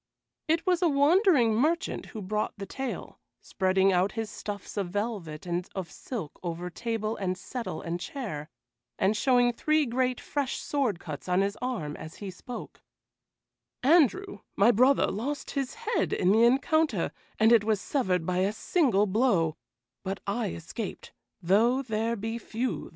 It was a wandering merchant who brought the tale, spreading out his stuffs of velvet and of silk over table and settle and chair, and showing three great fresh sword cuts on his arm as he spoke: "Andrew, my brother, lost his head in the encounter, and it was severed by a single blow, but I escaped, though there be few that may."